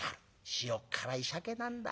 塩っ辛いシャケなんだ。